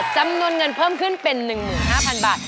จำนวนเงินเพิ่มขึ้นเป็น๑๕๐๐๐บาท